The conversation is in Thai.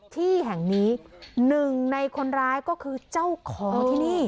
ที่แห่งนี้หนึ่งในคนร้ายก็คือเจ้าของที่นี่